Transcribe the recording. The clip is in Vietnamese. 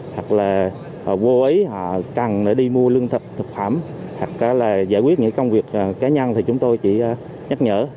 hoặc là vô ý họ cần đi mua lương thực thực phẩm hoặc là giải quyết những công việc cá nhân thì chúng tôi chỉ nhắc nhở